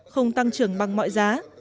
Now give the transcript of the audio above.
không tăng trưởng bằng mọi giá